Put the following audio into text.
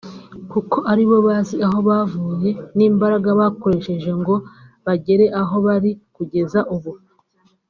kuko aribo bazi aho bavuye n’imbaraga bakoresheje ngo bagere aho bari kugeza ubu